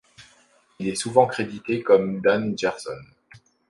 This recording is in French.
Il est souvent crédité comme Dan Gerson.